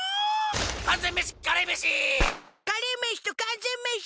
完全メシカレーメシカレーメシと完全メシ